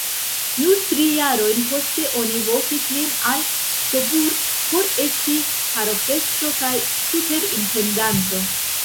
Nur tri jarojn poste oni vokis lin al Coburg por esti paroĥestro kaj superintendanto.